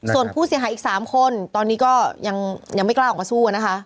ส่วนผู้เสียหายอีก๓คนตอนนี้ก็ยังไม่กล้าออกมาสู้นะคะ